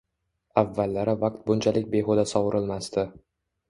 Avvallari vaqt bunchalik behuda sovurilmasdi.